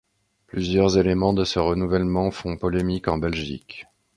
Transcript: Plusieurs éléments de ce renouvellement font polémique en Belgique.